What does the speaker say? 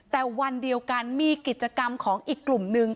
แต่วันเดียวกันมีกิจกรรมของอีกกลุ่มนึง